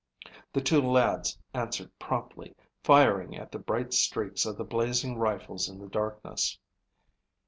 The two lads answered promptly, firing at the bright streaks of the blazing rifles in the darkness.